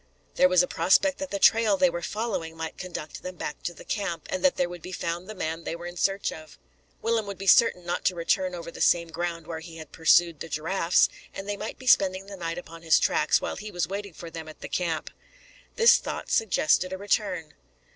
There was a prospect that the trail they were following might conduct them back to the camp, and that there would be found the man they were in search of. Willem would be certain not to return over the same ground where he had pursued the giraffes, and they might be spending the night upon his tracks, while he was waiting for them at the camp. This thought suggested a return.